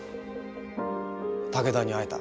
武田に会えた。